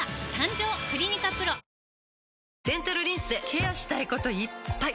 デンタルリンスでケアしたいこといっぱい！